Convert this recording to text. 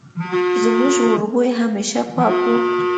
زموږ وربوی همېشه پاک وو